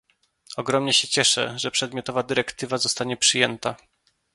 Ogromnie się cieszę, że przedmiotowa dyrektywa zostanie przyjęta